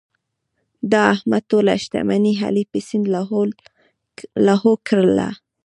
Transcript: د احمد ټوله شتمني علي په سیند لاهو کړله.